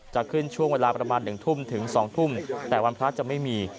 จะขึ้นช่วงเวลาประมาณ๑ทุ่มถึง๒ทุ่มแต่วันพระจะไม่มี